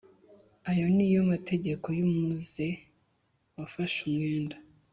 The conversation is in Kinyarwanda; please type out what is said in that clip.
ayo ni yo mategeko y umuze wafashe umwenda